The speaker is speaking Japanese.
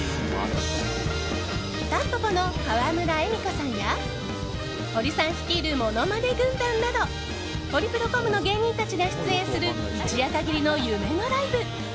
たんぽぽの川村エミコさんやホリさん率いるものまね軍団などホリプロコムの芸人たちが出演する、一夜限りの夢のライブ。